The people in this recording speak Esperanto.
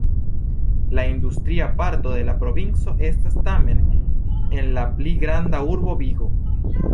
La industria parto de la provinco estas tamen en la pli granda urbo Vigo.